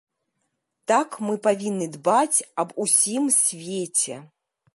Так мы павінны дбаць аб усім свеце.